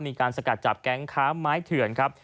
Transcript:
มีการสกัดจับแก๊งค้าไม้เถื่อนครับ